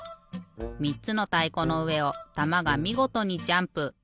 ３つのたいこのうえをたまがみごとにジャンプ。